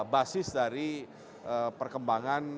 basis dari perkembangan